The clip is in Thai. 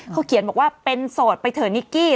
เขาเขียนบอกว่าเป็นโสดไปเถอะนิกกี้